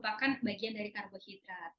merupakan bagian dari karbohidrat